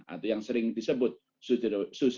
atau yang sering disebut sustainable finance